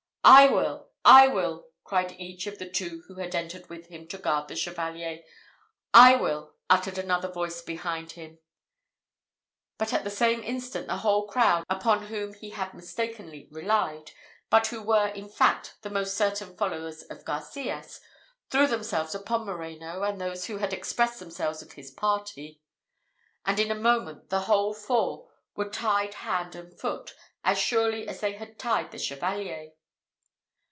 "I will! I will!" cried each of the two who had entered with him to guard the Chevalier. "I will," uttered another voice behind him; but at the same instant the whole crowd, upon whom he had mistakingly relied, but who were, in fact, the most certain followers of Garcias, threw themselves upon Moreno, and those that had expressed themselves of his party, and in a moment the whole four were tied hand and foot, as surely as they had tied the Chevalier.